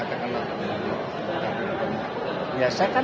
apakah yang dilakukan